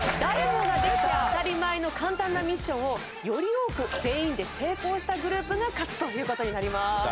誰もができて当たり前の簡単なミッションをより多く全員で成功したグループが勝ちという事になります。